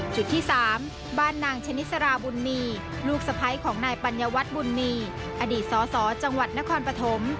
จุดที่๓บ้านนางชนิสราบุญมีลูกสะพ้ายของนายปัญญวัฒน์บุญมีอดีตสสจังหวัดนครปฐม